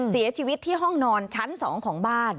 เสียชีวิตที่ห้องนอนชั้น๒ของบ้าน